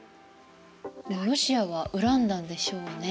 ロシアは恨んだんでしょうね。